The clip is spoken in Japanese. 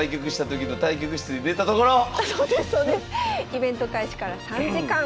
イベント開始から３時間。